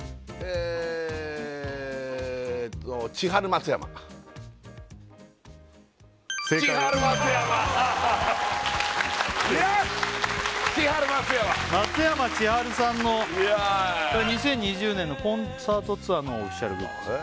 松山千春さんの２０２０年のコンサートツアーのオフィシャルグッズ